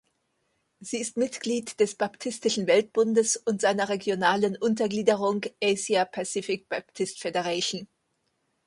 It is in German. Sie ist Mitglied des Baptistischen Weltbundes und seiner regionalen Untergliederung Asia Pacific Baptist Federation.